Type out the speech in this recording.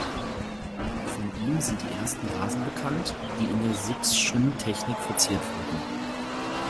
Von ihm sind die ersten Vasen bekannt, die in der Six’schen Technik verziert wurden.